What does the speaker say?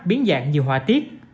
biến dạng nhiều hòa tiết